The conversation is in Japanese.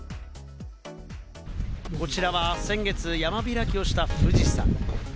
こちらは、先月、山開きをした富士山。